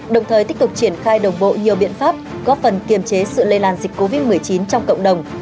đồng thời tích cực triển khai đồng bộ nhiều biện pháp góp phần kiềm chế sự lây lan dịch covid một mươi chín trong cộng đồng